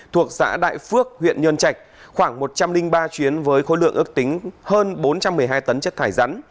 thuộc xã đại phước huyện nhơn trạch khoảng một trăm linh ba chuyến với khối lượng ước tính hơn bốn trăm một mươi hai tấn chất thải rắn